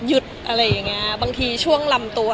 อะไรอย่างเงี้ยบางทีช่วงลำตัว